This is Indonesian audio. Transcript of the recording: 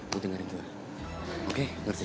lo tinggalin gue oke ngerti